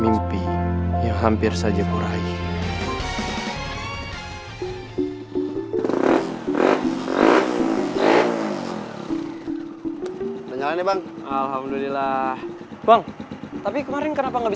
mimpi yang hampir saja kurai